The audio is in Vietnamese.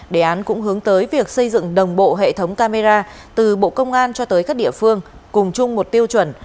đề án cũng hướng tới việc xây dựng đồng bộ hệ thống camera từ bộ công an cho tới các địa phương cùng chung một tiêu chuẩn